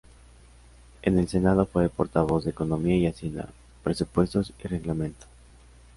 En el Senado fue portavoz de Economía y Hacienda, Presupuestos y Reglamento.